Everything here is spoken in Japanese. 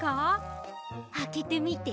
あけてみて。